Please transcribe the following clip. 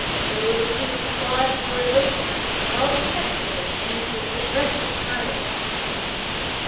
So the two sparred for an opening, while the spectators maintained a breathless silence.